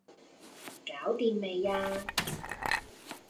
搞掂未呀